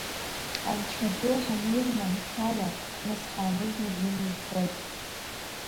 Анцәа ду ҳанирманшәала, нас ҳааныжьны зымҩа уцоит…